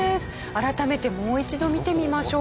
改めてもう一度見てみましょう。